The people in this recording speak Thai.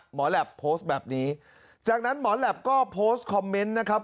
แหลปโพสต์แบบนี้จากนั้นหมอแหลปก็โพสต์คอมเมนต์นะครับ